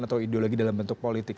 atau ideologi dalam bentuk politik